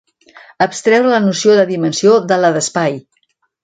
Abstreure la noció de dimensió de la d'espai.